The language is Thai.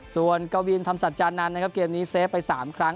ส่วนกวินธรรมสัจจานันทร์นะครับเกมนี้เซฟไป๓ครั้ง